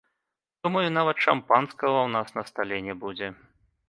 Думаю, нават шампанскага ў нас на стале не будзе.